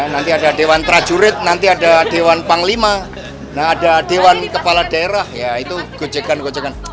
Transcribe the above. nanti ada dewan prajurit nanti ada dewan panglima nah ada dewan kepala daerah ya itu gojekan gojekan